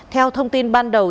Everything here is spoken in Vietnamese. theo thông tin ban đầu